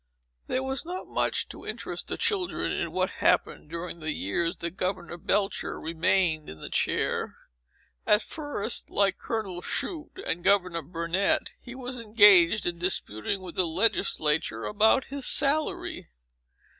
There was not much to interest the children, in what happened during the years that Governor Belcher remained in the chair. At first, like Colonel Shute and Governor Burnet, he was engaged in disputing with the legislature about his salary.